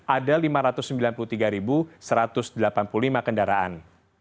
ada lima ratus sembilan puluh tiga satu ratus delapan puluh lima kendaraan